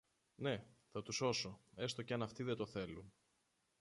Ναι, θα τους σώσω, έστω και αν αυτοί δεν το θέλουν.